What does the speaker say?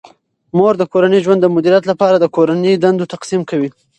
مور د کورني ژوند د مدیریت لپاره د کورني دندو تقسیم کوي.